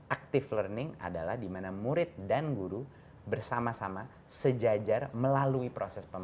active learning adalah dimana murid dan guru bersama sama sejajar melalui proses